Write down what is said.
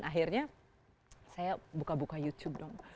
akhirnya saya buka buka youtube dong